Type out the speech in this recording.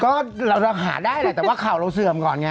ก็เราหาได้แหละแต่ว่าข่าวเราเสื่อมก่อนไง